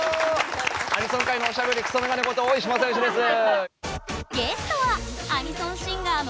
アニソン界のおしゃべりクソメガネことオーイシマサヨシです。